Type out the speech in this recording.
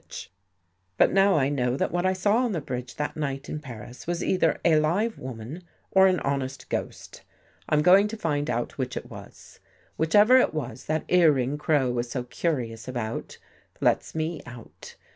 71 THE GHOST GIRL " But now I know that what I saw on the bridge that night in Paris, was either a live woman, or an honest ghost. I'm going to find out which it was. Whichever it was, that earring Crow was so curious about, lets me out.